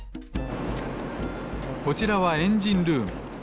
こちらはエンジンルーム。